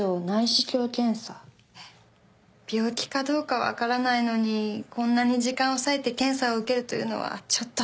病気かどうか分からないのにこんなに時間を割いて検査を受けるというのはちょっと